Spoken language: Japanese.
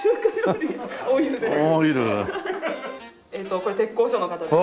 これ鉄工所の方です。